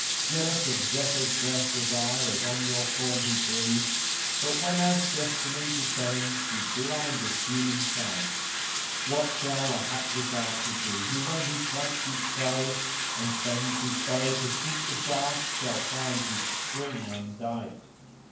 Jealous of Zephyr's breath was I as on your form he breathed * But whenas Destiny descends she blindeth human sight[FN#111] What shall the hapless archer do who when he fronts his foe * And bends his bow to shoot the shaft shall find his string undight?